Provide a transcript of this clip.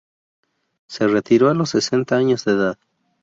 Se retiró a los sesenta años de edad.